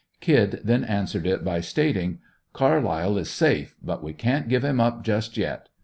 "Kid" then answered it by stating: "Carlyle is safe, but we can't give him up just yet.